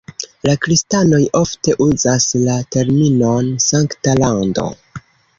La kristanoj ofte uzas la terminon "Sankta Lando".